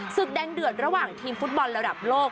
ศึกแดงเดือดระหว่างทีมฟุตบอลระดับโลก